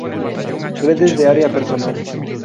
Redes de área personal.